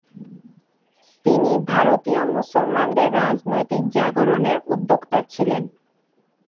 তিনি ভারতীয় মুসলমানদের রাজনৈতিক জাগরণের উদ্যোক্তা ছিলেন।